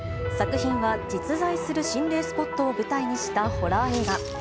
作品は実在する心霊スポットを舞台にしたホラー映画。